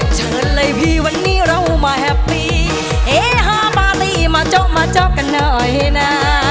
เชิญเลยพี่วันนี้เรามาแฮปปี้เอฮาปาร์ตี้มาเจาะมาเจาะกันหน่อยนะ